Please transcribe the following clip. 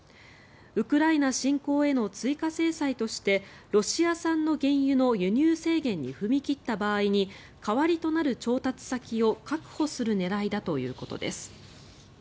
ウクライナ侵攻への追加制裁としてロシア産の原油の輸入制限に踏み切った場合に代わりとなる調達先を確保する狙いだということです。